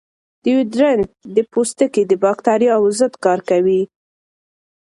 ډیوډرنټ د پوستکي د باکتریاوو ضد کار کوي.